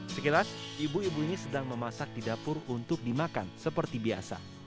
sekilas ibu ibu ini sedang memasak di dapur untuk dimakan seperti biasa